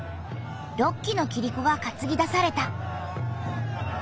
６基のキリコがかつぎ出された。